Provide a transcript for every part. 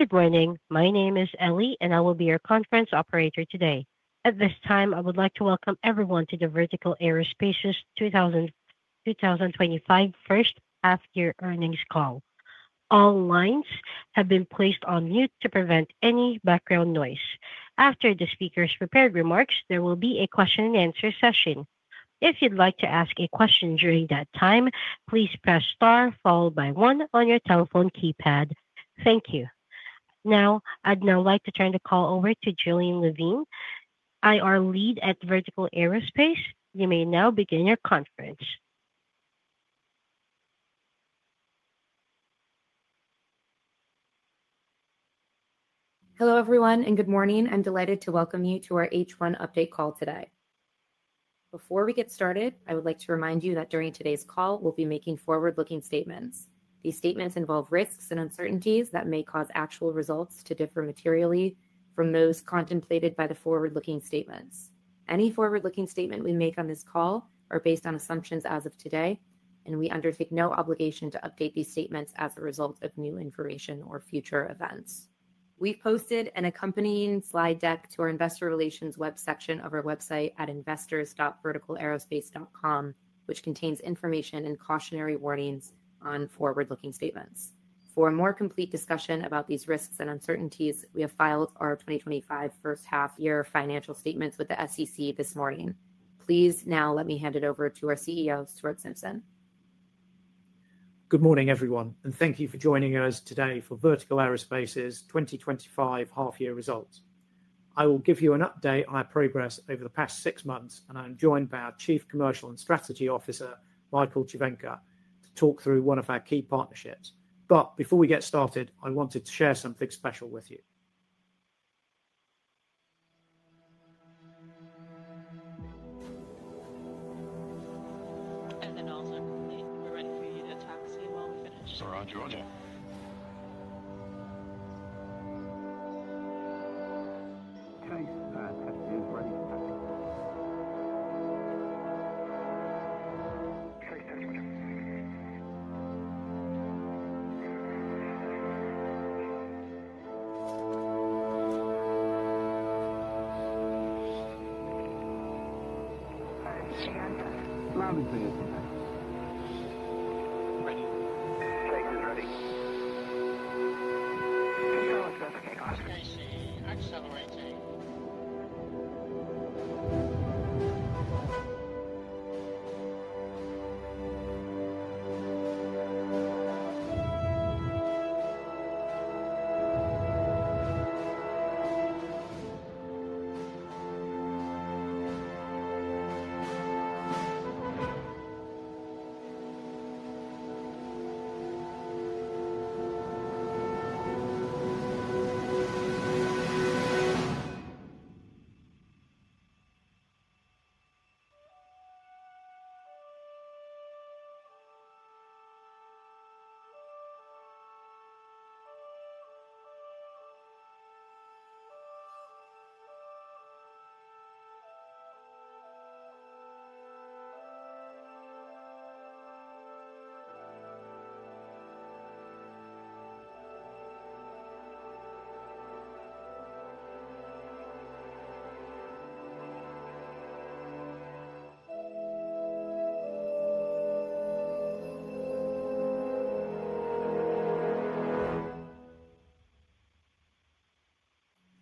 Good morning. My name is Ellie and I will be your conference operator today. At this time I would like to welcome everyone to the Vertical Aerospace 2025 first half year earnings call. All lines have been placed on mute to prevent any background noise. After the speaker's prepared remarks, there will be a question-and-answer session. If you'd like to ask a question during that time, please press star followed by one on your telephone keypad. Thank you. Now, I'd like to turn the call over to Gillian Levine, IR Lead at Vertical Aerospace. You may now begin your conference. Hello everyone and good morning. I'm delighted to welcome you to our H1 update call today. Before we get started, I would like to remind you that during today's call we'll be making forward looking statements. These statements involve risks and uncertainties that may cause actual results to differ materially from those contemplated by the forward looking statements. Any forward looking statement we make on this call are based on assumptions as of today and we undertake no obligation to update these statements as a result of new information or future events. We've posted an accompanying slide deck to our investor relations web section of our website at investors.verticalaerospace.com, which contains information and cautionary warnings on forward looking statements. For a more complete discussion about these risks and uncertainties, we have filed our 2025 first half year financial statements with the SEC this morning. Please now let me hand it over to our CEO Stuart Simpson. Good morning everyone and thank you for joining us today for Vertical Aerospace's 2025 half year results. I will give you an update on our progress over the past six months and I'm joined by our Chief Commercial and Strategy Officer Michael Cervenka to talk through one of our key partnerships. Before we get started, I wanted to share something special with you. IT. Sam.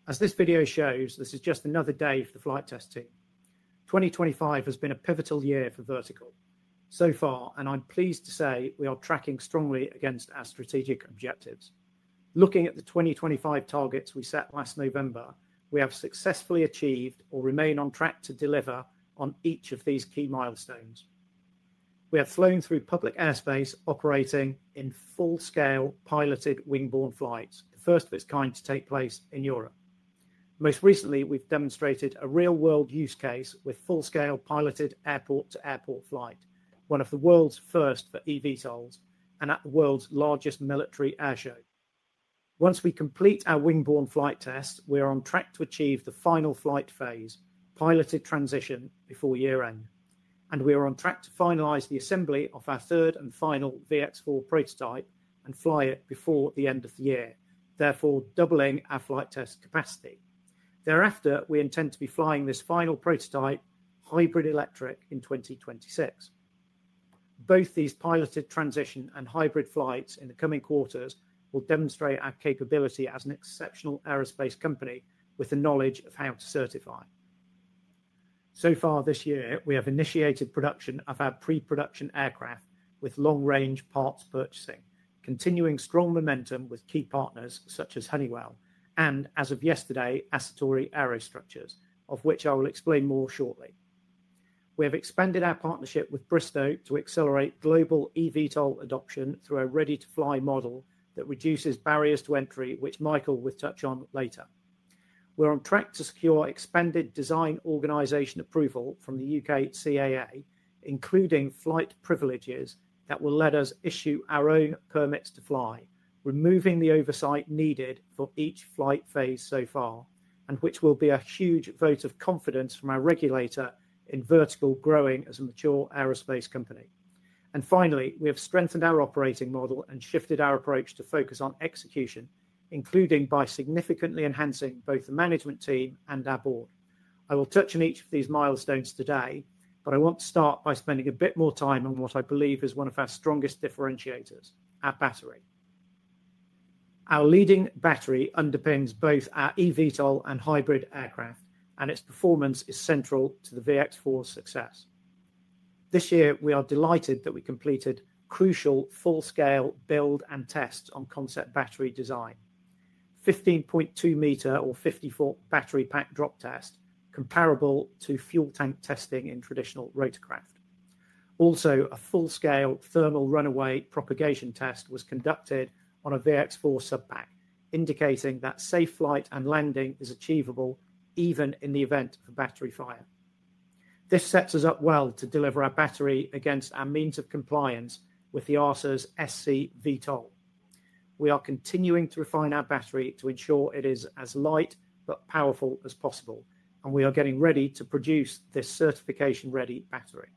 As this video shows, this is just another day for the flight test team. 2025 has been a pivotal year for Vertical so far and I'm pleased to say we are tracking strongly against our strategic objectives. Looking at the 2025 targets we set last November, we have successfully achieved or remain on track to deliver on each of these key milestones. We have flown through public airspace operating in full-scale piloted wingborne flights, the first of its kind to take place in Europe. Most recently we've demonstrated a real-world use case with full-scale piloted airport-to-airport flight, one of the world's first for eVTOLs and at the world's largest military air show. Once we complete our wingborne flight test, we are on track to achieve the final flight phase piloted transition before year end and we are on track to finalize the assembly of our third and final VX4 prototype and fly it before the end of the year, therefore doubling our flight test capacity thereafter. We intend to be flying this final prototype hybrid-electric in 2026. Both these piloted transition and hybrid flights in the coming quarters will demonstrate our capability as an exceptional aerospace company with the knowledge of how to certify. So far this year we have initiated production of our pre-production aircraft with long-lead parts purchasing, continuing strong momentum with key partners such as Honeywell and as of yesterday Aciturri Aerostructures, of which I will explain more shortly. We have expanded our partnership with Bristow to accelerate global eVTOL adoption through a ready-to-fly model that reduces barriers to entry, which Michael will touch on later. We are on track to secure expanded Design Organization Approval from the U.K. CAA, including flight privileges that will let us issue our own permits to fly, removing the oversight needed for each flight phase so far, which will be a huge vote of confidence from our regulator in Vertical growing as a mature aerospace company. Finally, we have strengthened our operating model and shifted our approach to focus on execution, including by significantly enhancing both the management team and our board. I will touch on each of these milestones today, but I want to start by spending a bit more time on what I believe is one of our strongest differentiators, our battery. Our leading battery underpins both our eVTOL and hybrid aircraft and its performance is central to the VX4's success this year. We are delighted that we completed crucial full-scale build and test on concept battery design, 15.2 meter or 54 battery pack drop test, comparable to fuel tank testing in traditional rotorcraft. Also, a full-scale thermal runaway propagation test was conducted on a VX4 subpack, indicating that safe flight and landing is achievable even in the event of battery fire. This sets us up well to deliver our battery against our means of compliance with the RSA's SC VTOL. We are continuing to refine our battery to ensure it is as light but powerful as possible, and we are getting ready to produce this certification-ready battery.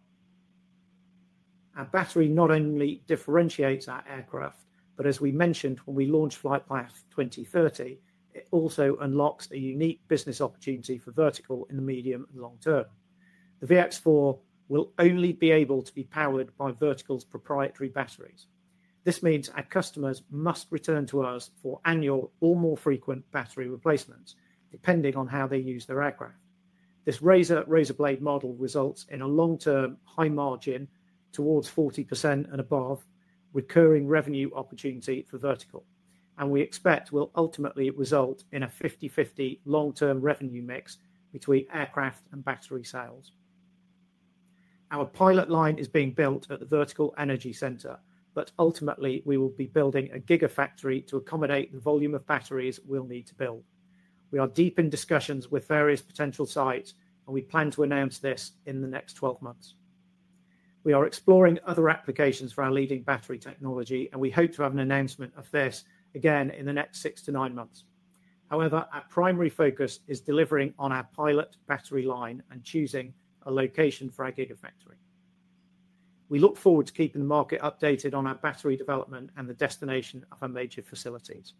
Our battery not only differentiates our aircraft, but as we mentioned when we launched Flightpath 2030, it also unlocks a unique business opportunity for Vertical in the medium and long term. The VX4 will only be able to be powered by Vertical's proprietary batteries. This means our customers must return to us for annual or more frequent battery replacements depending on how they use their aircraft. This razor-razorblade model results in a long-term high margin towards 40% and above recurring revenue opportunity for Vertical, and we expect will ultimately result in a 50:50 long-term revenue mix between aircraft and battery sales. Our pilot line is being built at the Vertical Energy Center, but ultimately we will be building a gigafactory to accommodate the volume of batteries we'll need to build. We are deep in discussions with various potential sites, and we plan to announce this in the next 12 months. We are exploring other applications for our leading battery technology, and we hope to have an announcement of this again in the next six to nine months. However, our primary focus is delivering on our pilot battery line and choosing a location for our gigafactory. We look forward to keeping the market updated on our battery development and the destination of our major facilities.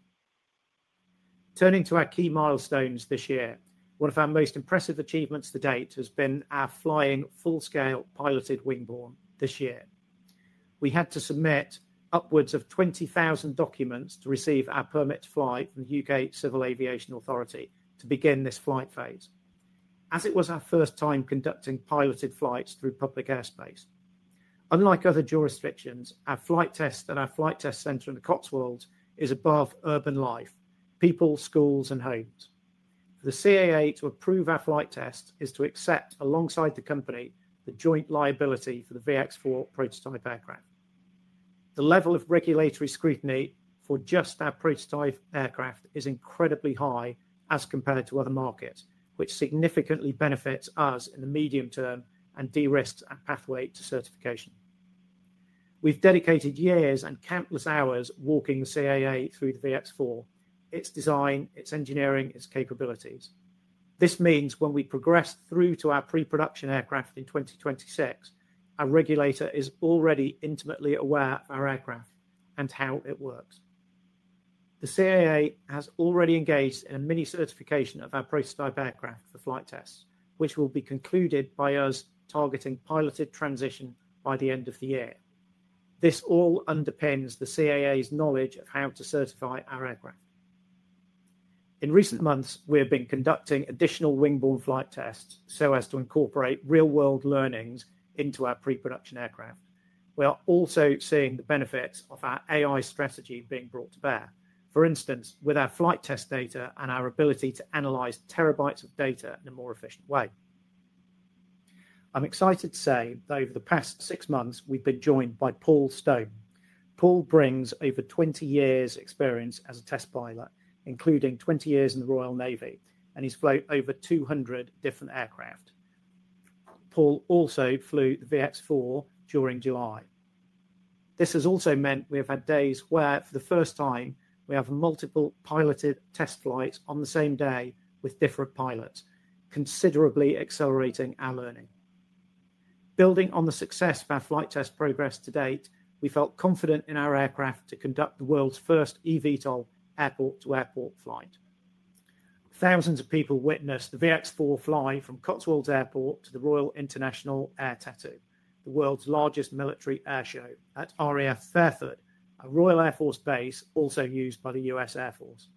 Turning to our key milestones this year, one of our most impressive achievements to date has been our flying full-scale piloted wingborne. This year we had to submit upwards of 20,000 documents to receive our permit to fly from the U.K. Civil Aviation Authority to begin this flight phase, as it was our first time conducting piloted flights through public airspace. Unlike other jurisdictions, our flight test at our flight test centre in the Cotswold is above urban life, people, schools, and homes. For the CAA to approve our flight test is to accept alongside the company the joint liability for the VX4 prototype aircraft. The level of regulatory scrutiny for just that prototype aircraft is incredibly high as compared to other markets, which significantly benefits us in the medium term and de-risks our pathway to certification. We've dedicated years and countless hours walking the CAA through the VX4, its design, its engineering, its capabilities. This means when we progress through to our pre-production aircraft in 2026, our regulator is already intimately aware of our aircraft and how it works. The CAA has already engaged a mini-certification of our prototype aircraft for flight tests, which will be concluded by us targeting piloted transition by the end of the year. This all underpins the CAA's knowledge of how to certify our aircraft. In recent months, we have been conducting additional wingborne flight tests so as to incorporate real-world learnings into our pre-production aircraft. We are also seeing the benefits of our AI strategy being brought to bear, for instance with our flight test data and our ability to analyze terabytes of data in a more efficient way. I'm excited to say that over the past six months we've been joined by Paul Stone. Paul brings over 20 years' experience as a test pilot, including 20 years in the Royal Navy, and he's flown over 200 different aircraft. Paul also flew the VX4 during July. This has also meant we have had days where, for the first time, we have multiple piloted test flights on the same day with different pilots, considerably accelerating our learning. Building on the success of our flight test progress to date, we felt confident in our aircraft to conduct the world's first eVTOL airport-to-airport flight. Thousands of people witnessed the VX4 fly from Cotswolds Airport to the Royal International Air Tattoo, the world's largest military air show at RAF Fairford, a Royal Air Force base also used by the U.S. Air Force.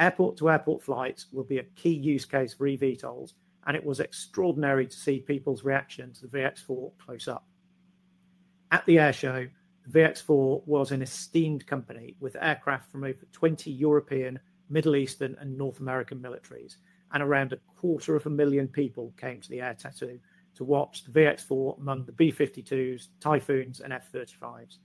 Airport-to-airport flights will be a key use case for eVTOLs, and it was extraordinary to see people's reaction to the VX4 close up at the air show. The VX4 was in esteemed company with aircraft from over 20 European, Middle Eastern, and North American militaries. Around a quarter of a million people came to the Air Tattoo to watch the VX4. Among the B52s, Typhoons, and F35s,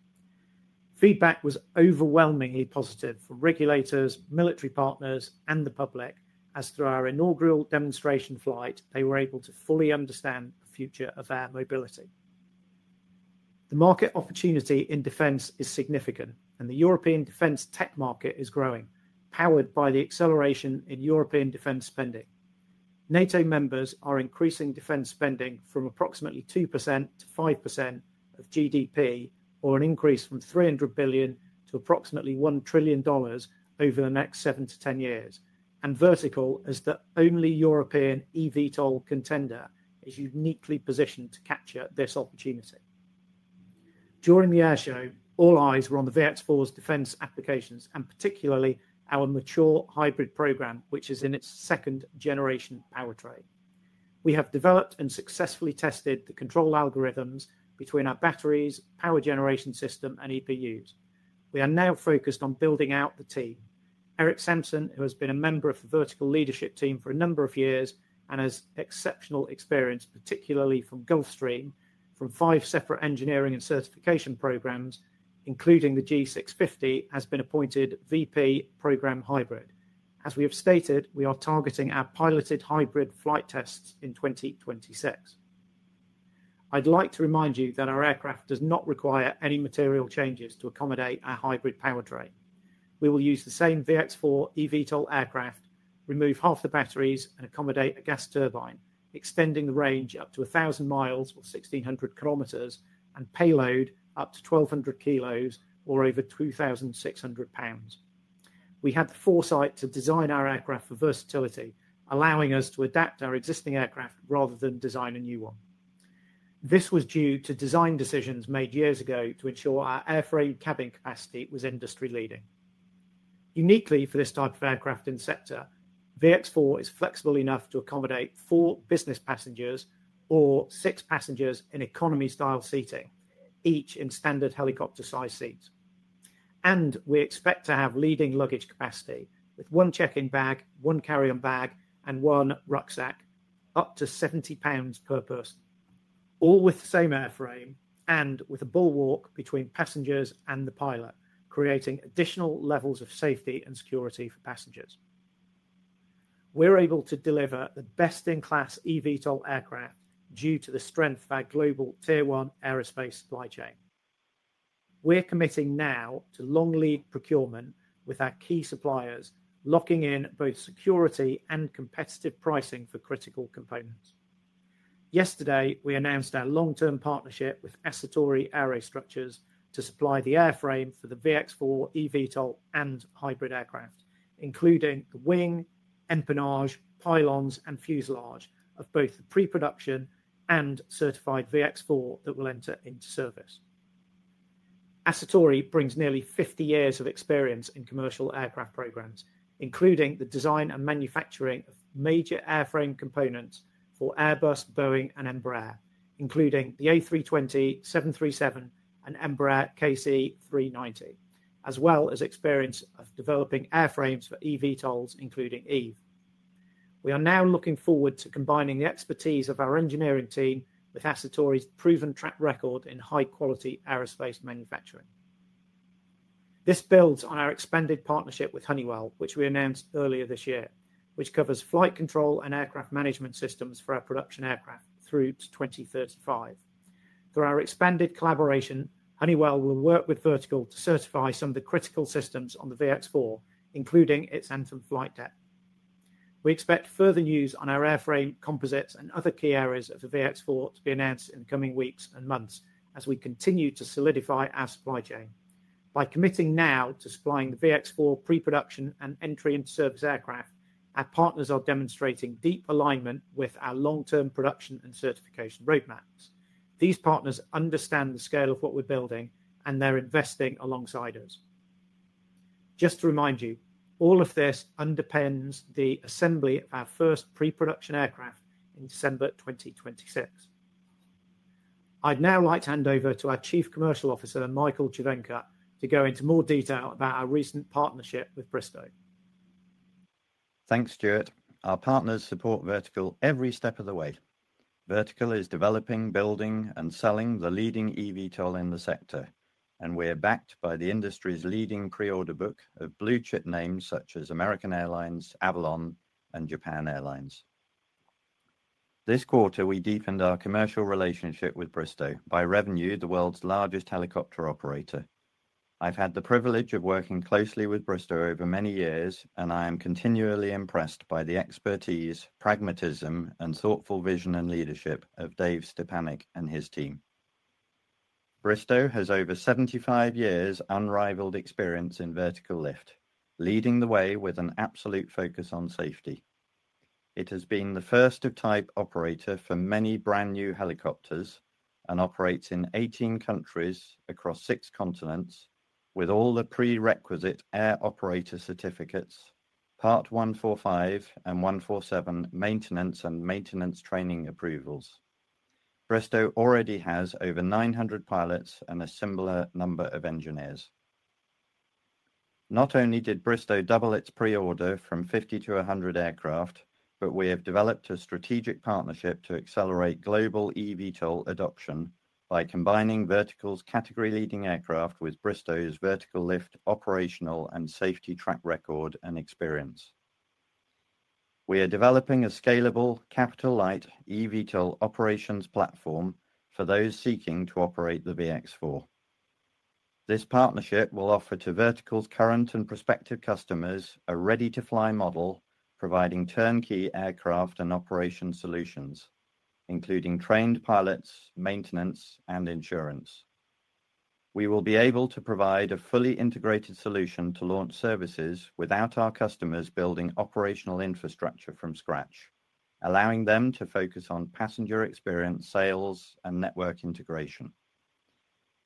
feedback was overwhelmingly positive for regulators, military partners, and the public, as through our inaugural demonstration flight they were able to fully understand the future of air mobility. The market opportunity in defense is significant, and the European defense tech market is growing. Powered by the acceleration in European defense spending, NATO members are increasing defense spending from approximately 2%-5% of GDP, or an increase from $300 billion to approximately $1 trillion over the next seven to 10 years. Vertical, as the only European eVTOL contender, is uniquely positioned to capture this opportunity. During the air show, all eyes were on the VX4's defense applications and particularly our mature hybrid program, which is in its second generation powertrain. We have developed and successfully tested the control algorithms between our batteries, power generation system, and EPUs. We are now focused on building out the team. Eric Sampson, who has been a member of the Vertical Leadership Team for a number of years and has exceptional experience, particularly from Gulfstream, from five separate engineering and certification programs including the G650, has been appointed VP Programme Hybrid. As we have stated, we are targeting our piloted hybrid flight tests in 2026. I'd like to remind you that our aircraft does not require any material changes to accommodate our hybrid powertrain. We will use the same VX4 eVTOL aircraft, remove half the batteries, and accommodate a gas turbine extending the range up to 1,000 mi or 1,600 km, and payload up to 1,200 kgs or over 2,600 lbs. We had the foresight to design our aircraft for versatility, allowing us to adapt our existing aircraft rather than design a new one. This was due to design decisions made years ago to ensure our airframe cabin capacity was industry leading, uniquely for this type of aircraft and sector. VX4 is flexible enough to accommodate four business passengers or six passengers in economy style seating, each in standard helicopter size seats, and we expect to have leading luggage capacity with one check-in bag, one carry-on bag, and one rucksack up to 70 lbs per person, all with the same airframe and with a bulwark between passengers and the pilot creating additional levels of safety and security for passengers. We're able to deliver the best in class eVTOL aircraft. Due to the strength of our global Tier one aerospace supply chain, we're committing now to long-lead procurement with our key suppliers, locking in both security and competitive pricing for critical components. Yesterday we announced our long-term partnership with Aciturri Aerostructures to supply the airframe for the VX4, eVTOL and hybrid aircraft, including the wing, empennage, pylons, and fuselage of both pre-production and certified VX4 that will enter into service. Aciturri brings nearly 50 years of experience in commercial aircraft programs, including the design and manufacturing of major airframe components for Airbus, Boeing, and Embraer, including the A320, 737, and Embraer KC390, as well as experience of developing airframes for eVTOLs, including Eve. We are now looking forward to combining the expertise of our engineering team with Aciturri's proven track record in high-quality aerospace manufacturing. This builds on our expanded partnership with Honeywell, which we announced earlier this year, which covers flight control and aircraft management systems for our production aircraft through to 2035. Through our expanded collaboration, Honeywell will work with Vertical Aerospace to certify some of the critical systems on the VX4, including its Anthem flight deck. We expect further news on our airframe composites and other key areas of the VX4 to be announced in the coming weeks and months as we continue to solidify our supply chain. By committing now to supplying the VX4 pre-production and entry into service aircraft, our partners are demonstrating deep alignment with our long-term production and certification roadmaps. These partners understand the scale of what we're building, and they're investing alongside us. Just to remind you, all of this underpins the assembly of our first pre-production aircraft in December 2026. I'd now like to hand over to our Chief Commercial and Strategy Officer, Michael Cervenka, to go into more detail about our recent partnership with Bristow. Thanks Stuart. Our partners support Vertical every step of the way. Vertical is developing, building, and selling the leading eVTOL in the sector, and we are backed by the industry's leading pre-order book of blue chip names such as American Airlines, Avalon, and Japan Airlines. This quarter, we deepened our commercial relationship with Bristow by revenue, the world's largest helicopter operator. I've had the privilege of working closely with Bristow over many years, and I am continually impressed by the expertise, pragmatism, and thoughtful vision and leadership of Dave Stepanek and his team. Bristow has over 75 years unrivaled experience in vertical lift, leading the way with an absolute focus on safety. It has been the first-of-type operator for many brand new helicopters and operates in 18 countries across six continents with all the prerequisite Air Operator Certificates, Part 145 and 147 maintenance, and maintenance training approvals. Bristow already has over 900 pilots and a similar number of engineers. Not only did Bristow double its pre-order from 50 to 100 aircraft, but we have developed a strategic partnership to accelerate global eVTOL adoption. By combining Vertical's category-leading aircraft with Bristow's vertical lift operational and safety track record and experience, we are developing a scalable capital-light eVTOL operations platform for those seeking to operate the VX4. This partnership will offer to Vertical's current and prospective customers a ready-to-fly model, providing turnkey aircraft and operation solutions including trained pilots, maintenance, and insurance. We will be able to provide a fully integrated solution to launch services without our customers building operational infrastructure from scratch, allowing them to focus on passenger experience, sales, and network integration.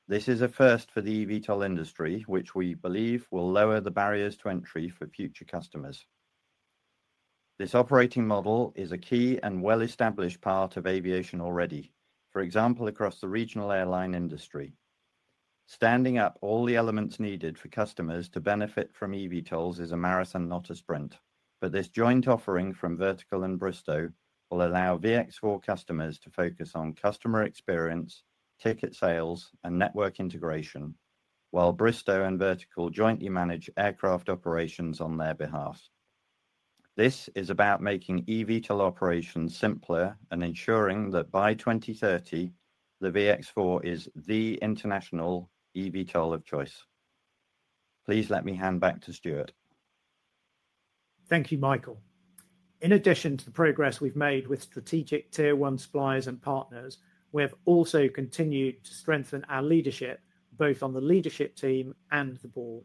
This is a first for the eVTOL industry, which we believe will lower the barriers to entry for future customers. This operating model is a key and well-established part of aviation already, for example across the regional airline industry. Standing up all the elements needed for customers to benefit from eVTOLs is a marathon, not a sprint. This joint offering from Vertical and Bristow will allow VX4 customers to focus on customer experience, ticket sales, and network integration while Bristow and Vertical jointly manage aircraft operations on their behalf. This is about making eVTOL operations simpler and ensuring that by 2030 the VX4 is the international eVTOL of choice. Please let me hand back to Stuart. Thank you, Michael. In addition to the progress we've made with strategic Tier One suppliers and partners, we have also continued to strengthen our leadership both on the leadership team and the Board.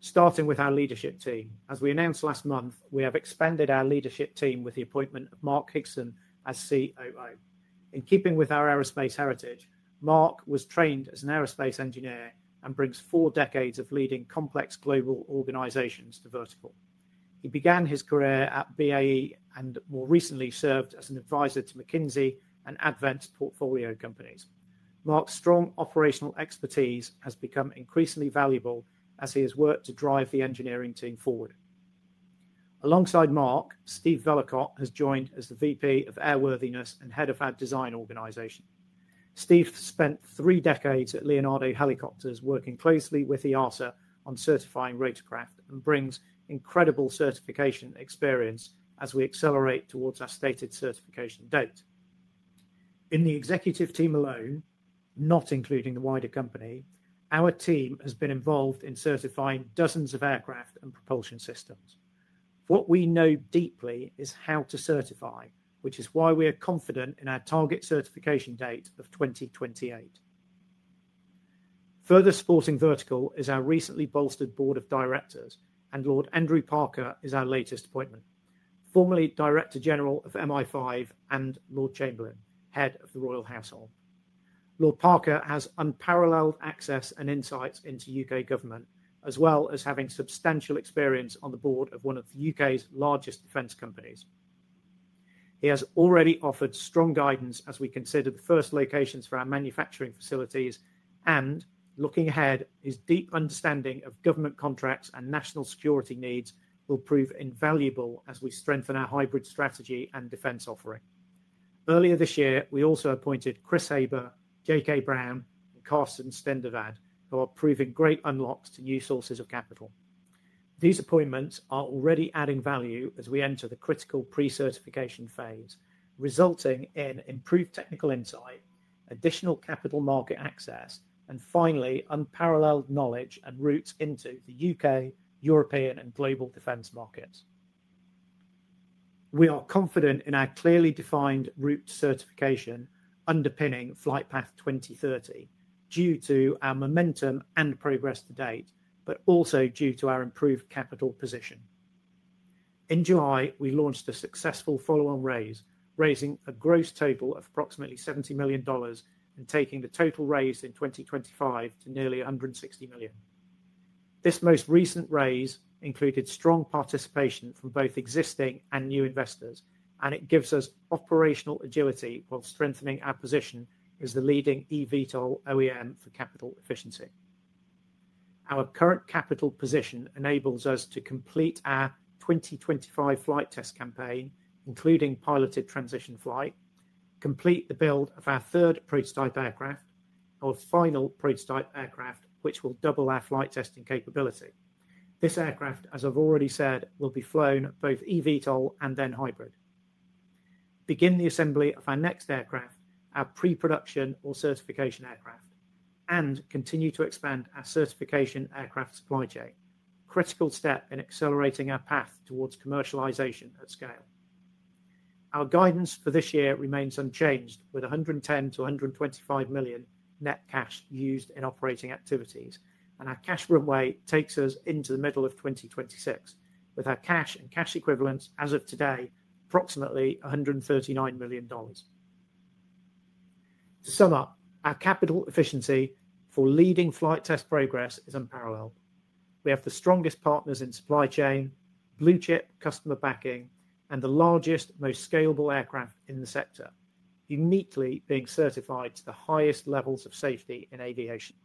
Starting with our leadership team, as we announced last month, we have expanded our leadership team with the appointment of Mark Higson as COO. In keeping with our aerospace heritage, Mark was trained as an aerospace engineer and brings four decades of leading complex global organizations to Vertical. He began his career at BAE and more recently served as an advisor to McKinsey and Advent portfolio companies. Mark's strong operational expertise has become increasingly valuable as he has worked to drive the engineering team forward. Alongside Mark, Steve Vellacott has joined as the Vice President of Airworthiness and Head of our Design Organization. Steve spent three decades at Leonardo Helicopters working closely with EASA on certifying rotorcraft and brings incredible certification experience as we accelerate towards our stated certification date. In the executive team alone, not including the wider company, our team has been involved in certifying dozens of aircraft and propulsion systems. What we know deeply is how to certify, which is why we are confident in our target certification date of 2028. Further supporting Vertical is our recently bolstered Board of Directors and Lord Andrew Parker is our latest appointment. Formerly Director General of MI5 and Lord Chamberlain, Head of the Royal Household, Lord Parker has unparalleled access and insights into U.K. government as well as having substantial experience on the board of one of the U.K.'s largest defense companies. He has already offered strong guidance as we consider the first locations for our manufacturing facilities and looking ahead, his deep understanding of government contracts and national security needs will prove invaluable as we strengthen our hybrid strategy and defense offering. Earlier this year we also appointed Chris Haber, J.K. Brown and Carson Stendevad who are proving great unlocks to new sources of capital. These appointments are already adding value as we enter the critical pre-certification phase resulting in improved technical insight, additional capital market access and finally unparalleled knowledge and routes into the U.K., European and global defense markets. We are confident in our clearly defined route certification underpinning Flightpath 2030 due to our momentum and progress to date, but also due to our improved capital position. In July we launched a successful follow-on raise, raising a gross total of approximately $70 million and taking the total raise in 2025 to nearly $160 million. This most recent raise included strong participation from both existing and new investors, and it gives us operational agility while strengthening our position as the leading eVTOL OEM for capital efficiency. Our current capital position enables us to complete our 2025 flight test campaign, including piloted transition flight, complete the build of our third prototype aircraft, our final prototype aircraft, which will double our flight testing capability. This aircraft, as I've already said, will be flown both eVTOL and then hybrid. Begin the assembly of our next aircraft, our pre-production or certification aircraft, and continue to expand our certification aircraft supply chain. Critical step in accelerating our path towards commercialization at scale. Our guidance for this year remains unchanged with $110 million-$125 million net cash used in operating activities, and our cash runway takes us into the middle of 2026 with our cash and cash equivalents as of today approximately $139 million. To sum up, our capital efficiency for leading flight test progress is unparalleled. We have the strongest partners in supply chain, blue chip customer backing, and the largest, most scalable aircraft in the sector, uniquely being certified to the highest levels of safety in aviation.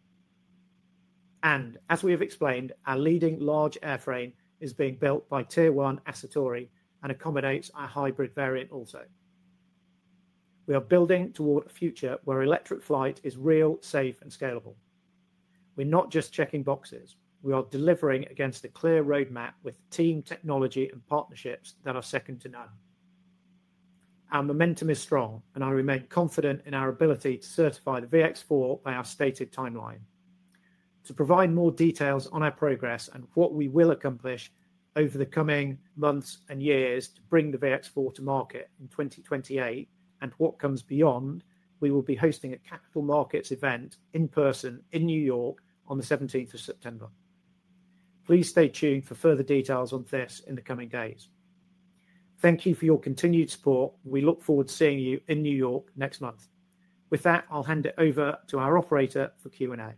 As we have explained, our leading large airframe is being built by Tier 1 Aciturri Aerostructures and accommodates our hybrid variant. Also, we are building toward a future where electric flight is real, safe, and scalable. We're not just checking boxes. We are delivering against a clear roadmap with team, technology, and partnerships that are second to none. Our momentum is strong, and I remain confident in our ability to certify the VX4 by our stated timeline. To provide more details on our progress and what we will accomplish over the coming months and years to bring the VX4 to market in 2028 and what comes beyond, we will be hosting a capital markets event in person in New York on the 17th of September. Please stay tuned for further details on this in the coming days. Thank you for your continued support. We look forward to seeing you in New York next month. With that, I'll hand it over to our operator for Q&A.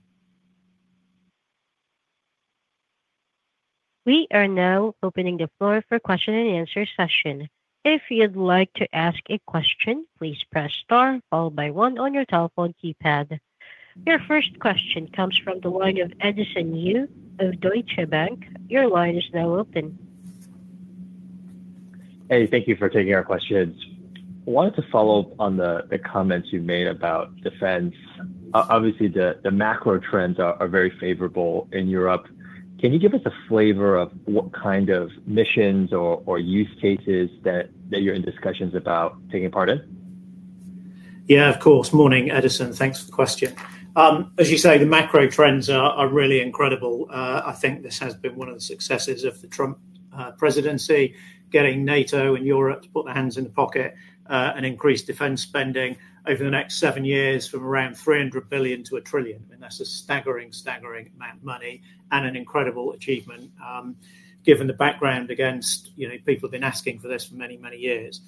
We are now opening the floor for question-and-answer session. If you'd like to ask a question, please press star followed by one on your telephone keypad. Your first question comes from the line of Edison Yu of Deutsche Bank. Your line is now open. Hey, thank you for taking our questions. I wanted to follow up on the comments you made about defense. Obviously, the macro trends are very favorable in Europe. Can you give us a flavor of what kind of missions or use cases that you're in discussions about taking part in? Yeah, of course. Morning Edison. Thanks for the question. As you say, the macro trends are really incredible. I think this has been one of the successes of the Trump presidency, getting NATO and Europe to put their hands in the pocket and increase defense spending over the next seven years from around $300 billion to $1 trillion. That's a staggering, staggering amount of money and an incredible achievement given the background against. People have been asking for this for many, many years.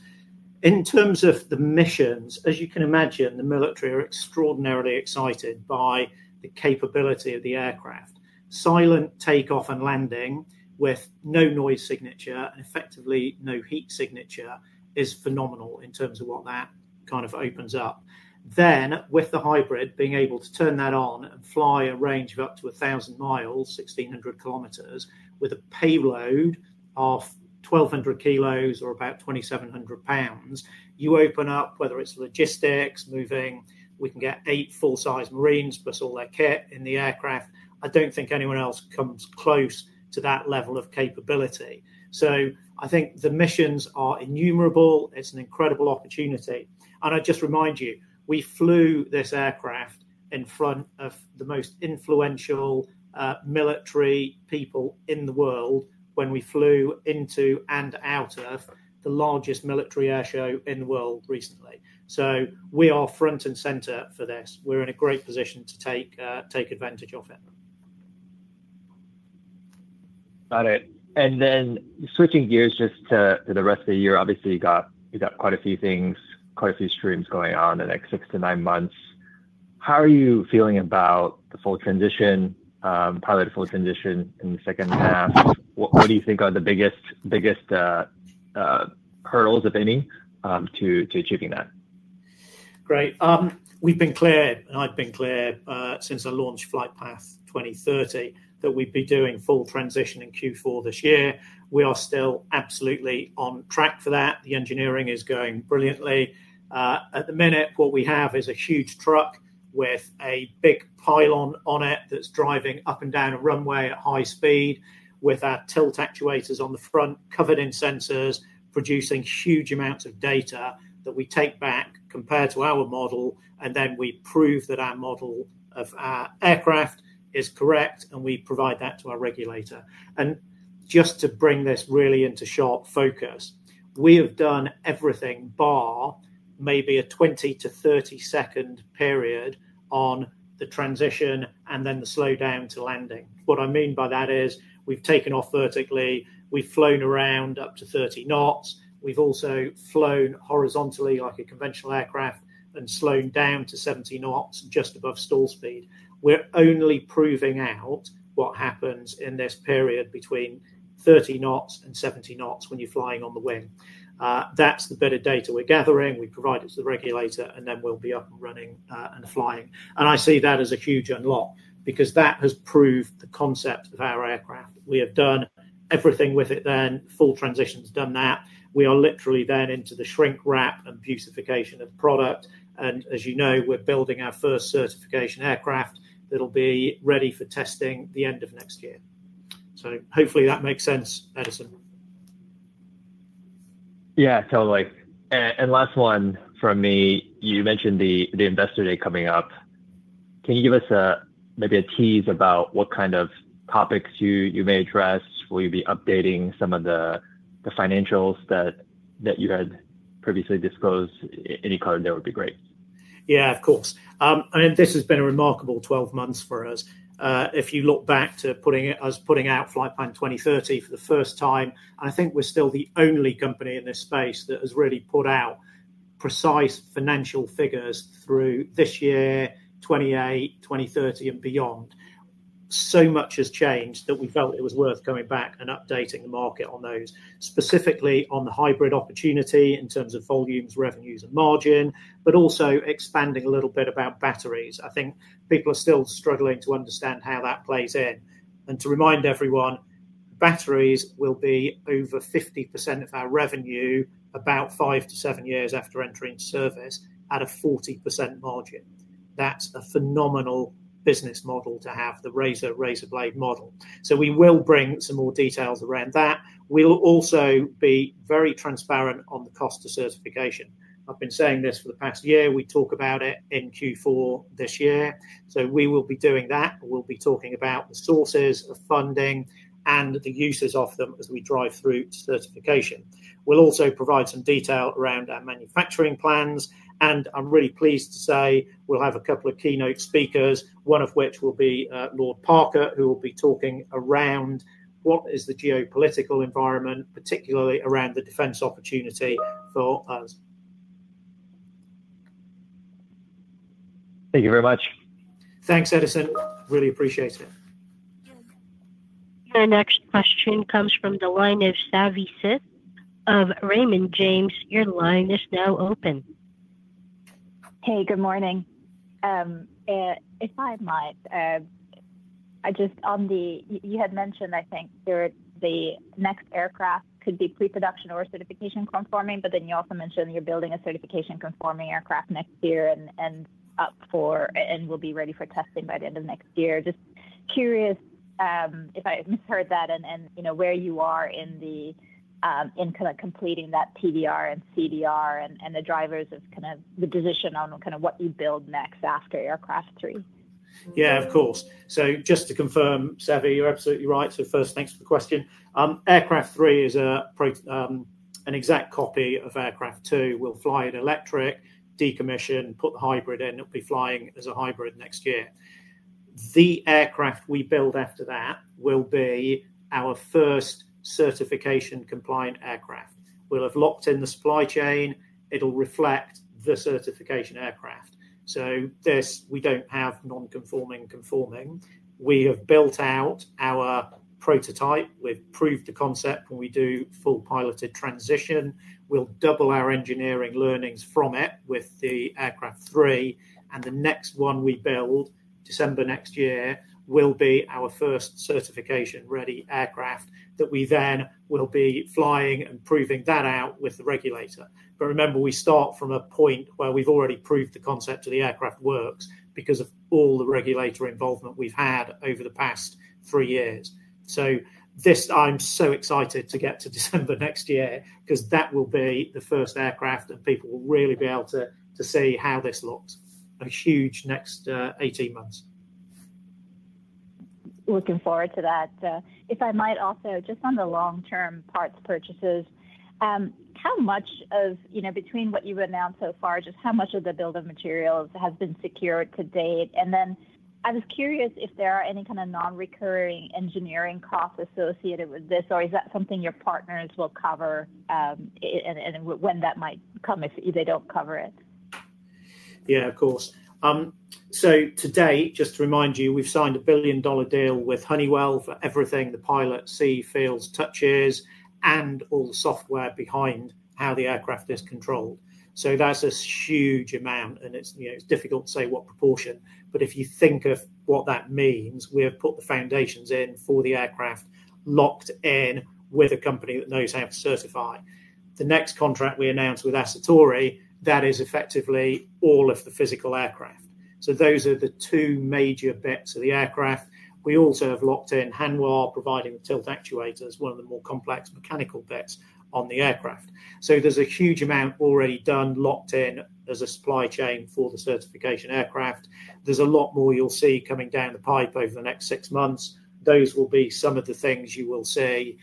In terms of the missions, as you can imagine, the military are extraordinarily excited by the capability of the aircraft. Silent takeoff and landing with no noise signature and effectively no heat signature is phenomenal in terms of what that kind of opens up. With the hybrid being able to turn that on and fly a range of up to 1,000 mi, 1,600 km, with a payload of 1,200 kgs or about 2,700 lbs, you open up, whether it's logistics, moving, we can get eight full size marines plus all their kit in the aircraft. I don't think anyone else comes close to that level of capability. I think the missions are innumerable. It's an incredible opportunity. I just remind you, we flew this aircraft in front of the most influential military people in the world when we flew into and out of the largest military air show in the world recently. We are front and center for this. We're in a great position to take advantage of it. Got it. Switching gears to the rest of the year, you have quite a few things, quite a few streams going on in the next six to nine months. How are you feeling about the full transition pilot, full transition in the second half? What do you think are the biggest hurdles, if any, to achieving that? Great. I've been clear since I launched Flightpath 2030 that we'd be doing full transition in Q4 this year. We are still absolutely on track for that. The engineering is going brilliantly at the minute. What we have is a huge truck with a big pylon on it that's driving up and down a runway at high speed. With our tilt actuators on the front covered in sensors, producing huge amounts of data that we take back compared to our model, we prove that our model of our aircraft is correct and we provide that to our regulator. Just to bring this really into sharp focus, we have done everything bar maybe a 20-30 second period on the transition and then the slowdown to landing. What I mean by that is we've taken off vertically, we've flown around up to 30 knots, we've also flown horizontally like a conventional aircraft and slowed down to 70 knots just above stall speed. We're only proving out what happens in this period between 30 knots and 70 knots when you're flying on the wing. That's the bit of data we're gathering, we provide it to the regulator and then we'll be up and running and flying. I see that as a huge unlock because that has proved the concept of our aircraft. We have done everything with it, then full transition's done. We are literally then into the shrink wrap and beautification of product. As you know, we're building our first certification aircraft that'll be ready for testing the end of next year. Hopefully that makes sense, Edison. Yeah, totally. Last one from me. You mentioned the investor day coming up. Can you give us maybe a tease about what kind of topics you may address? Will you be updating some of the financials that you had previously disclosed? Any color there would be great. Yeah, of course. This has been a remarkable 12 months for us. If you look back to us putting out Flightpath 2030 for the first time, I think we're still the only company in this space that has really put out precise financial figures through this year, 2028, 2030, and beyond. So much has changed that we felt it was worth coming back and updating the market on those, specifically on the hybrid opportunity in terms of volumes, revenues, and margin. Also, expanding a little bit about batteries. I think people are still struggling to understand how that plays in. To remind everyone, batteries will be over 50% of our revenue about five to seven years after entering service at a 40% margin. That's a phenomenal business model to have, the razor-razorblade model. We will bring some more details around that. We'll also be very transparent on the cost of certification. I've been saying this for the past year. We talk about it in Q4 this year. We will be doing that, we'll be talking about the sources of funding and the uses of them as we drive through certification. We'll also provide some detail around our manufacturing plans, and I'm really pleased to say we'll have a couple of keynote speakers, one of which will be Lord Andrew Parker, who will be talking around what is the geopolitical environment, particularly around the defense opportunity for us. Thank you very much. Thanks, Edison. Really appreciate it. Your next question comes from the line of Savi Syth of Raymond James. Your line is now open. Hey, good morning. If I might, just on the, you had mentioned I think the next aircraft could be pre-production or certification conforming. You also mentioned you're building a certification conforming aircraft next year and will be ready for testing by the end of next year. Just curious if I misheard that and where you are in kind of completing that PDR and CDR and the drivers of the decision on kind of what you build next after aircraft three. Yeah, of course. Just to confirm, Savi, you're absolutely right. First, thanks for the question. Aircraft three is an exact copy of aircraft two. We'll fly it at electric decommission, put the hybrid in, it'll be flying as a hybrid next year. The aircraft we build after that will be our first certification compliant aircraft. We'll have locked in the supply chain, it'll reflect the certification aircraft. We don't have nonconforming conforming. We have built out our prototype, we've proved the concept. When we do full piloted transition, we'll double our engineering learnings from it with aircraft three, and the next one we build December next year will be our first certification ready aircraft that we then will be flying and proving that out with the regulator. Remember, we start from a point where we've already proved the concept of the aircraft works because of all the regulator involvement we've had over the past three years. I'm so excited to get to December next year because that will be the first aircraft that people will really be able to see how this looks. A huge next 18 months. Looking forward to that if I might. Also, just on the long-term parts purchases, how much of, you know, between what you've announced so far, just how much of the build of materials have been secured to date? I was curious if there are any kind of non-recurring engineering costs associated with this or is that something your partners will cover, and when that might come if they don't cover it? Yeah, of course. Today, just to remind you, we've signed a $1 billion deal with Honeywell for everything the pilot sees, feels, touches, and all the software behind how the aircraft is controlled. That's a huge amount, and it's difficult to say what proportion. If you think of what that means, we have put the foundations in for the aircraft, locked in with a company that knows how to certify. The next contract we announced with Aciturri Aerostructures is effectively all of the physical aircraft. Those are the two major bits of the aircraft. We also have locked in Hanwha providing the tilt actuators, one of the more complex mechanical bits on the aircraft. There's a huge amount already done, locked in as a supply chain for the certification aircraft. There's a lot more you'll see coming down the pipe over the next six months. Those will be some of the things you will see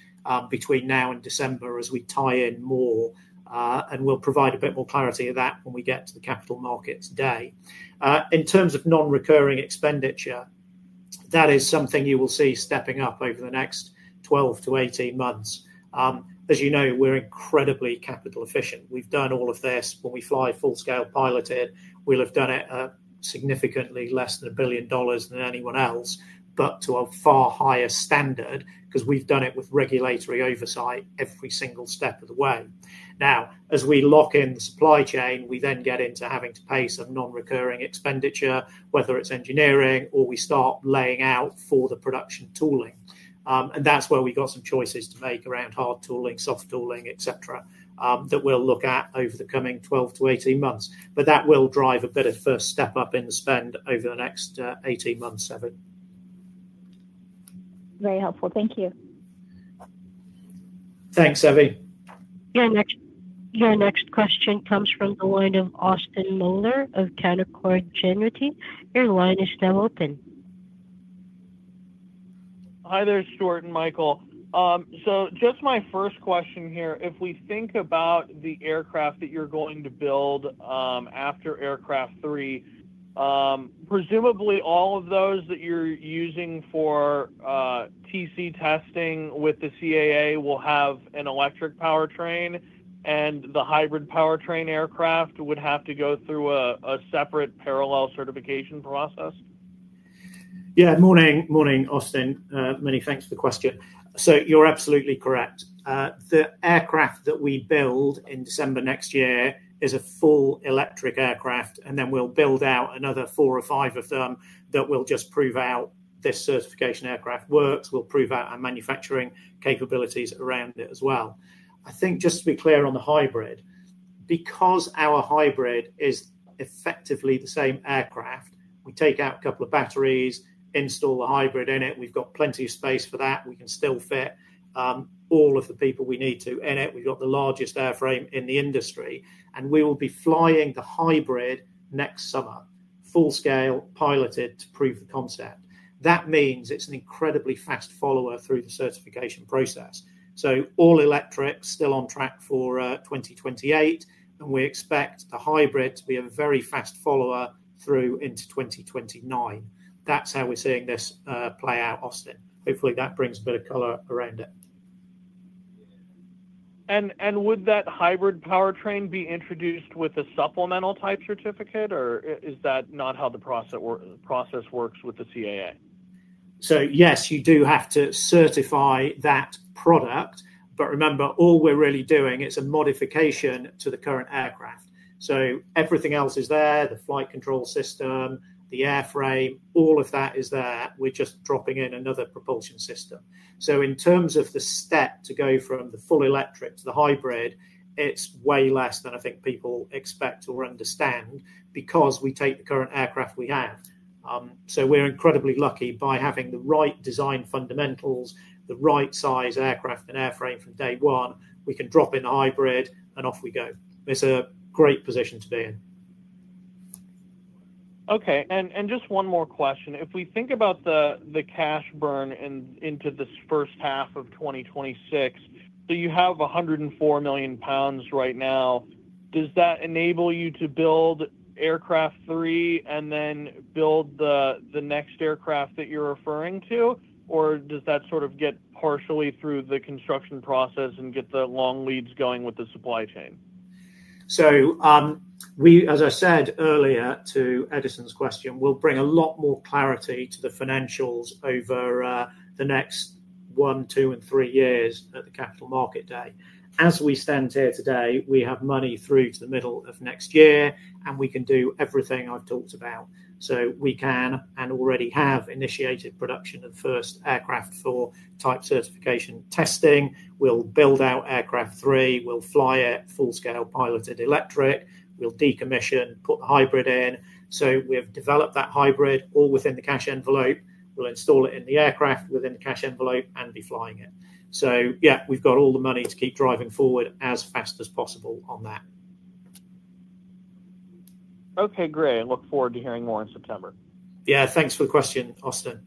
between now and December as we tie in more, and we'll provide a bit more clarity of that when we get to the capital markets day. In terms of non-recurring expenditure, that is something you will see stepping up over the next 12-18 months. As you know, we're incredibly capital efficient. We've done all of this when we fly full-scale piloted. We'll have done it significantly less than $1 billion than anyone else, but to a far higher standard because we've done it with regulatory oversight every single step of the way. Now, as we lock in supply chain, we then get into having to pay some non-recurring expenditure, whether it's engineering or we start laying out for the production tooling. That's where we got some choices to make around hard tooling, soft tooling, etc. We'll look at that over the coming 12-18 months. That will drive a bit of first step up in the spend over the next 18 months. Savi. Very helpful, thank you. Thanks Savi. Your next question comes from the line of Austin Moeller of Canaccord Genuity. Your line is still open. Hi there Stuart and Michael. My first question here, if we think about the aircraft that you're going to build after aircraft three, presumably all of those that you're using for TC testing with the CAA will have an electric powertrain, and the hybrid powertrain aircraft would have to go through a separate parallel certification process. Yeah. Morning. Morning, Austin. Many thanks for the question. You're absolutely correct. The aircraft that we build in December next year is a full electric aircraft, and then we'll build out another four or five of them. That will just prove out this certification aircraft works. We'll prove out our manufacturing capabilities around it as well. I think just to be clear on the hybrid, because our hybrid is effectively the same aircraft, we take out a couple of batteries, install the hybrid in it. We've got plenty of space for that. We can still fit all of the people we need to in it. We've got the largest airframe in the industry, and we will be flying the hybrid next summer full scale piloted to prove the concept. That means it's an incredibly fast follower through the certification process. All electric still on track for 2028, and we expect the hybrid to be a very fast follower through into 2029. That's how we're seeing this play out, Austin. Hopefully that brings a bit of color around it. Would that hybrid powertrain be introduced with a Supplemental Type Certificate, or is that not how the process works with the CAA? Yes, you do have to certify that product. Remember, all we're really doing, it's a modification to the current aircraft. Everything else is there, the flight control system, the airframe, all of that is there. We're just dropping in another propulsion system. In terms of the step to go from the full electric to the hybrid, it's way less than I think people expect or understand because we take the current aircraft we have. We're incredibly lucky by having the right design fundamentals and the right size aircraft and airframe. From day one, we can drop in hybrid and off we go. It's a great position to be in. Okay, and just one more question. If we think about the cash burn and into this first half of 2026, you have 104 million pounds right now, does that enable you to build aircraft three and then build the next aircraft that you're referring to, or does that sort of get partially through the construction process and get the long leads going with the supply chain? As I said earlier to Edison's question, we will bring a lot more clarity to the financials over the next one, two, and three years. At the Capital Market Day, as we stand here today, we have money through to the middle of next year and we can do everything I've talked about. We can and already have initiated production of first aircraft for type certification testing. We'll build out aircraft three, we'll fly it full scale, piloted, electric, we'll decommission, put hybrid in. We've developed that hybrid all within the cash envelope. We'll install it in the aircraft within the cash envelope and be flying it. We've got all the money to keep driving forward as fast as possible on that. Okay, great. Look forward to hearing more in September. Yeah, thanks for the question, Austin.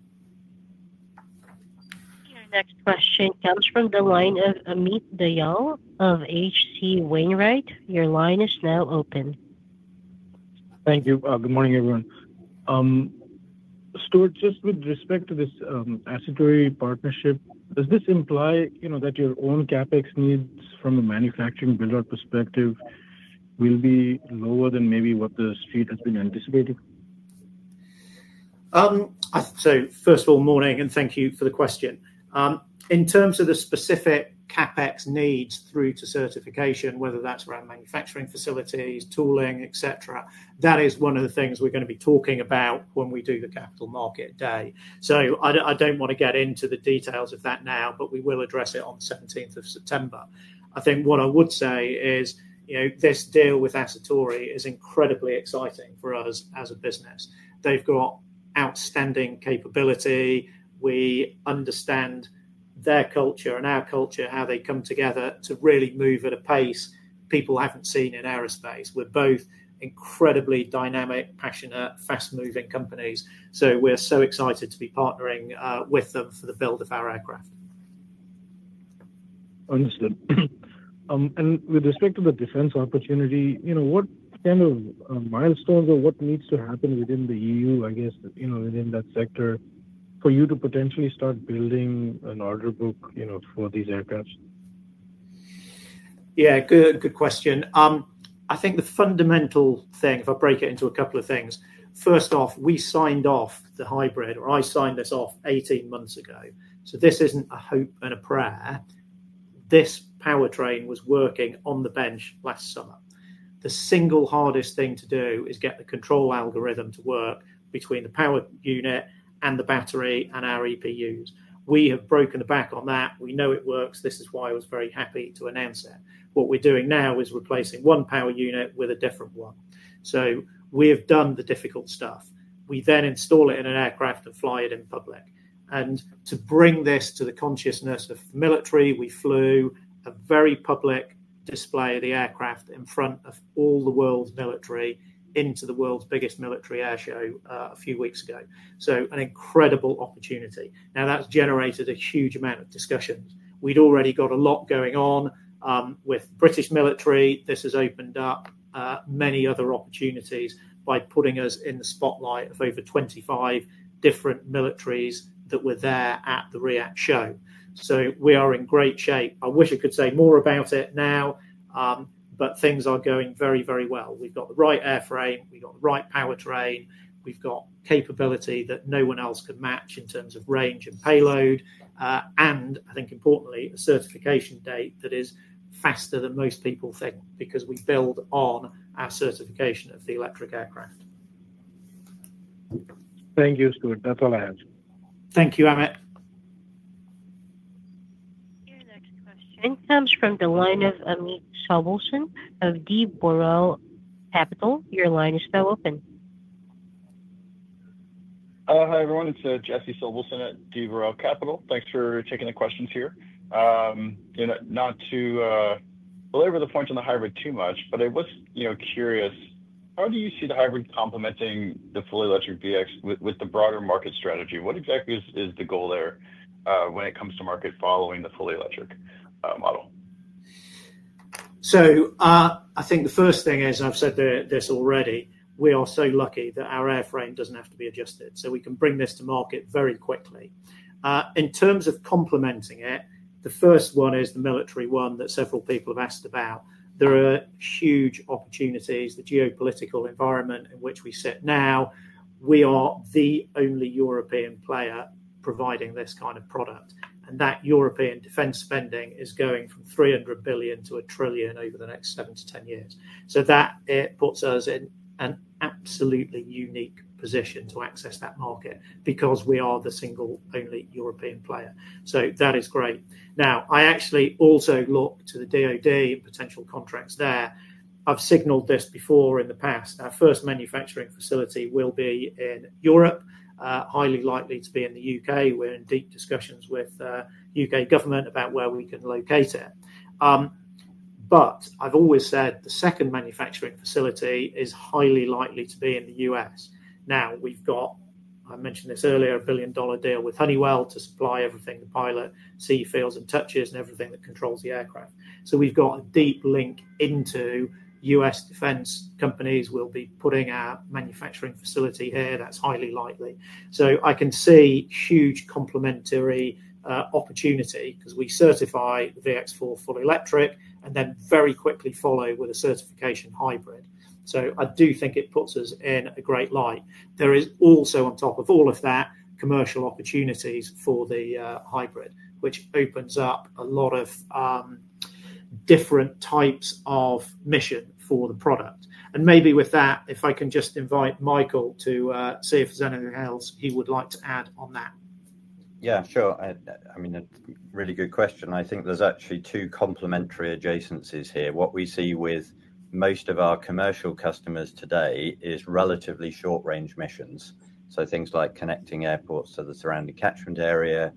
Our next question comes from the line of Amit Dayal of H.C. Wainwright. Your line is now open. Thank you. Good morning, everyone. Stuart, just with respect to this Aciturri Aerostructures partnership, does this imply, you know, that your own CapEx needs, from a manufacturing build perspective, will be lower than maybe what the street has been anticipating? First of all, morning and thank you for the question. In terms of the specific CapEx needs through to certification, whether that's around manufacturing facilities, tooling, etc., that is one of the things we're going to be talking about when we do the Capital Market Day. I don't want to get into the details of that now, but we will address it on 17th of September. What I would say is this deal with Aciturri Aerostructures is incredibly exciting for us as a business. They've got outstanding capability. We understand their culture and our culture, how they come together to really move at a pace people haven't seen in aerospace. We're both incredibly dynamic, passionate, fast-moving companies. We're so excited to be partnering with them for the build of our aircraft. Understood. With respect to the defense opportunity, what kind of milestones or what needs to happen within the EU, I guess, within that sector for you to potentially start building an order book for these aircraft? Yeah, good, good question. I think the fundamental thing, if I break it into a couple of things, first off, we signed off the hybrid, or I signed this off 18 months ago. This isn't a hope and a prayer. This powertrain was working on the bench last summer. The single hardest thing to do is get the control algorithm to work between the power unit and the battery and our EPUs. We have broken back on that. We know it works. This is why I was very happy to announce it. What we're doing now is replacing one power unit with a different one. We have done the difficult stuff. We then install it in an aircraft and fly it in public. To bring this to the consciousness of military, we flew a very public display of the aircraft in front of all the world's military into the world's biggest military air show a few weeks ago. An incredible opportunity now that's generated a huge amount of discussions. We'd already got a lot going on with British military. This has opened up many other opportunities by putting us in the spotlight of over 25 different militaries that were there at the RIAT show. We are in great shape. I wish I could say more about it now, but things are going very, very well. We've got the right airframe, we've got the right powertrain, we've got capability that no one else can match in terms of range and payload. I think importantly, a certification date that is faster than most people think because we build on our certification of the electric aircraft. Thank you, Stuart. That's all I have. Thank you, Amit. Your next question comes from the line of Jesse Sobelson D. Boral Capital. your line is now open. Hi, everyone, it's Jesse Sobelson at D. Boral Capital. Thanks for taking the questions here. Not to belabor the points on the hybrid too much, but I was curious, how do you see the hybrid complementing the fully electric VX4 with the broader market strategy? What exactly is the goal there when it comes to market, following the fully electric model? I think the first thing is, I've said this already. We are so lucky that our airframe doesn't have to be adjusted, so we can bring this to market very quickly. In terms of complementing it, the first one is the military one that several people have asked about. There are huge opportunities. The geopolitical environment in which we sit now, we are the only European player providing this kind of product, and that European defense spending is going from 300 billion to 1 trillion over the next seven to 10 years. That puts us in an absolutely unique position to access that market because we are the single only European player. That is great. I actually also look to the DoD potential contracts there. I've signaled this before in the past. Our first manufacturing facility will be in Europe, highly likely to be in the United Kingdom. We're in deep discussions with U.K. government about where we can locate it. I've always said the second manufacturing facility is highly likely to be in the U.S. Now we've got, I mentioned this earlier, a $1 billion deal with Honeywell to supply everything the pilot sees, feels, and touches, and everything that controls the aircraft. We've got a deep link into U.S. defense companies. We'll be putting our manufacturing facility here. That's highly likely. I can see huge complementary opportunity because we certify the VX4 full electric and then very quickly follow with a certification hybrid. I do think it puts us in a great light. There is also, on top of all of that, commercial opportunities for the hybrid, which opens up a lot of different types of mission for the product. Maybe with that, if I can just invite Michael to see if there's anything else he would like to add on that. Yeah, sure. I mean, really good question. I think there's actually two complementary adjacencies here. What we see with most of our commercial customers today is relatively short range missions. So things like connecting airports to the surrounding catchment area,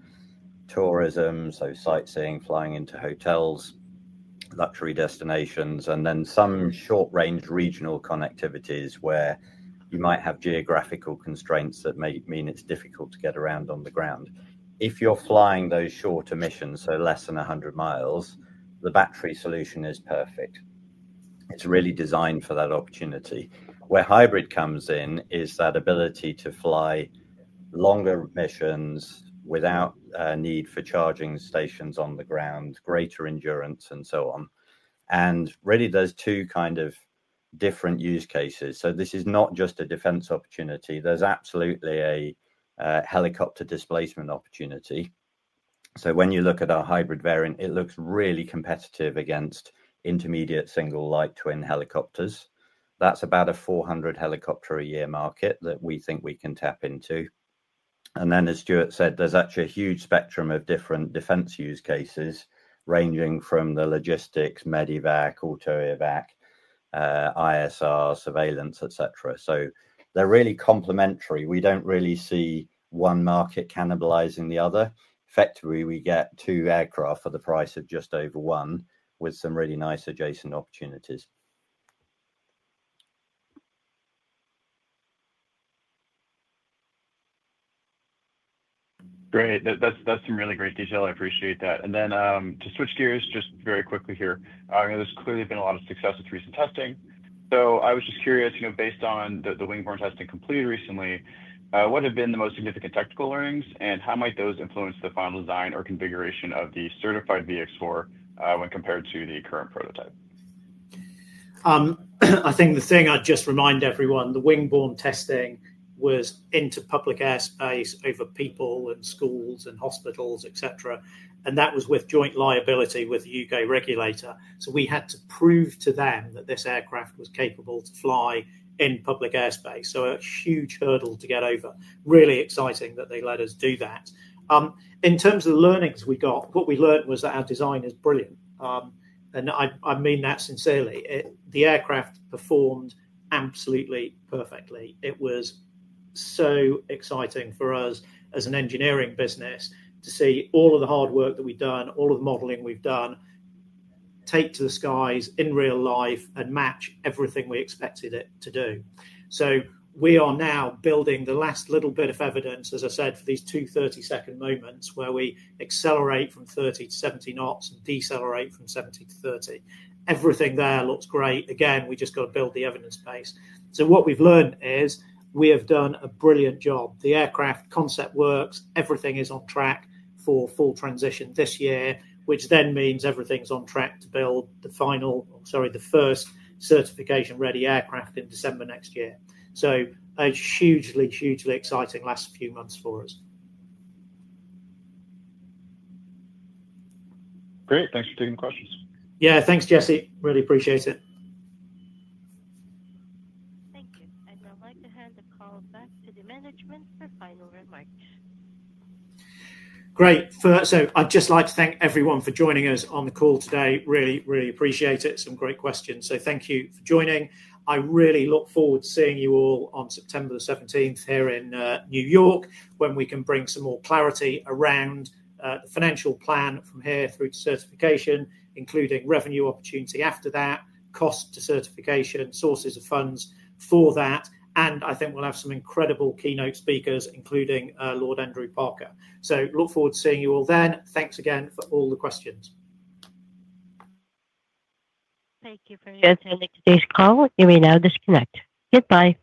tourism, sightseeing, flying into hotels, luxury destinations, and then some short range regional connectivities where you might have geographical constraints that may mean it's difficult to get around on the ground if you're flying those short missions, so less than 100 mi. The battery solution is perfect. It's really designed for that opportunity. Where hybrid comes in is that ability to fly longer missions without need for charging stations on the ground, greater endurance, and so on, and really does two kind of different use cases. This is not just a defense opportunity. There's absolutely a helicopter displacement opportunity. When you look at our hybrid variant, it looks really competitive against intermediate single light twin helicopters. That's about a 400 helicopter a year market that we think we can tap into. As Stuart said, there's actually a huge spectrum of different defense use cases ranging from logistics, medevac, auto evac, ISR surveillance, etc. They're really complementary. We don't really see one market cannibalizing the other. Effectively, we get two aircraft for the price of just over one with some really nice adjacent opportunities. Great. That's some really great detail. I appreciate that. To switch gears just very quickly here, there's clearly been a lot of success with recent testing. I was just curious, you know, based on the wingborne testing completed recently, what have been the most significant technical learnings and how might those influence the final design or configuration of the certified VX4 when compared to the current prototype? I think the thing I'd just remind everyone, the wingborne testing was into public airspace over people and schools and hospitals, etc. That was with joint liability with the U.K. regulator. We had to prove to them that this aircraft was capable to fly in public airspace, which was a huge hurdle to get over. It is really exciting that they let us do that. In terms of learnings we got, what we learned was that our design is brilliant, and I mean that sincerely. The aircraft performed absolutely perfectly. It was so exciting for us as an engineering business to see all of the hard work that we've done, all of the modeling we've done, take to the skies in real life and match everything we expected it to do. We are now building the last little bit of evidence, as I said, for these two 30 second moments where we accelerate from 30 to 70 knots, decelerate from 70 to 30, and everything there looks great again. We just got to build the evidence base. What we've learned is we have done a brilliant job. The aircraft concept works, everything is on track for full transition this year, which then means everything's on track to build the first certification ready aircraft in December next year. It has been a hugely, hugely exciting last few months for us. Great, thanks for taking questions. Yeah, thanks Jesse, really appreciate it. Thank you. I'd like to hand the call back to the management for final remarks. Great. I'd just like to thank everyone for joining us on the call today. Really, really appreciate it. Some great questions, thank you for joining. I really look forward to seeing you all on September 17th here in New York when we can bring some more clarity around the financial plan from here through certification, including revenue opportunity after that, cost to certification, sources of funds for that. I think we'll have some incredible keynote speakers, including Lord Andrew Parker. Look forward to seeing you all then. Thanks again for all the questions. Thank you for today's call. You may now disconnect. Goodbye.